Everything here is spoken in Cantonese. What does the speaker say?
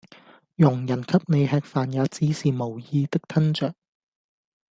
佣人給你吃飯也只是無意的吞著